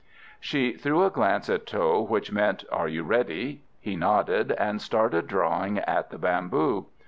She threw a glance at Tho which meant, "Are you ready?" He nodded, and started drawing at the bamboo.